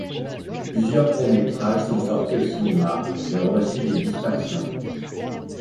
Plusieurs courts-métrages sont sortis au cinéma et ont reçu des distinctions.